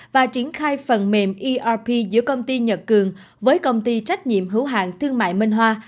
và triển khai phần mềm erp giữa công ty nhật cường với công ty trách nhiệm hữu hạng thương mại minh hoa